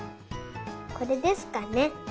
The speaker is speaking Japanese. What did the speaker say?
これですかね。